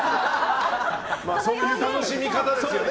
そういう楽しみ方ですよね。